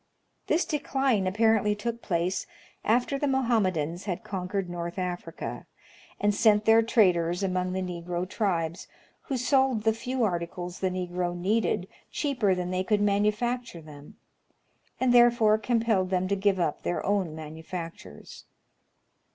This decline apparently took place after the Mohammedans had conquered North Africa, and sent their traders among the Negro tribes, who sold the few articles the Negro needed cheaper than they could manufacture them, and therefore compelled them to give up their own manufactures.